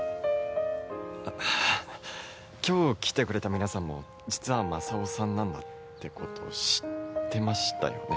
あっ今日来てくれた皆さんも実はマサオさんなんだって事知ってましたよね？